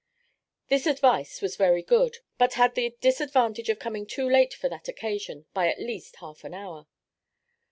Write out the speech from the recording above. This advice was very good, but had the disadvantage of coming too late for that occasion by at least half an hour.